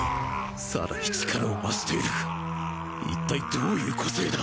更に力を増している一体どういう個性だ！？